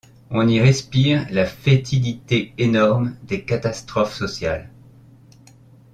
On y respire la fétidité énorme des catastrophes sociales.